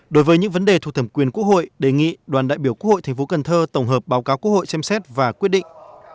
đối với những vấn đề thuộc thẩm quyền quốc hội đề nghị đoàn đại biểu quốc hội tp cần thơ tổng hợp báo cáo quốc hội xem xét và quyết định